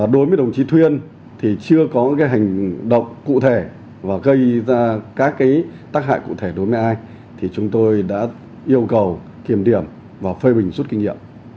đối với đồng chí thuyên thì chưa có hành động cụ thể và gây ra các tác hại cụ thể đối với ai thì chúng tôi đã yêu cầu kiểm điểm và phê bình rút kinh nghiệm